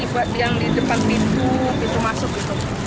buat yang di depan pintu pintu masuk gitu